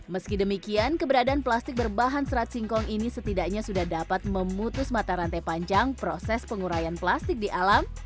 meski demikian keberadaan plastik berbahan serat singkong ini setidaknya sudah dapat memutus mata rantai panjang proses pengurayan plastik di alam